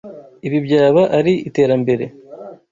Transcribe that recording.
Ibi byaba ari iterambere.